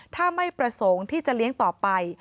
ถ้าไม่ประสงค์ที่จะเลี้ยงต่อไป